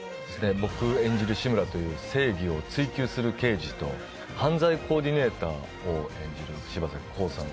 僕演じる志村という正義を追求する刑事と犯罪コーディネーターを演じる柴咲コウさん